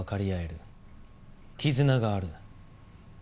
絆がある。